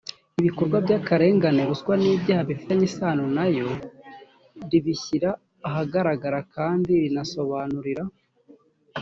ibikorwa by akarengane ruswa n ibyaha bifitanye isano na yo ribishyira ahagaragara kandi rinasobanurira